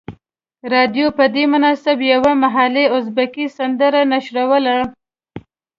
رادیو په دې مناسبت یوه محلي ازبکي سندره نشروله.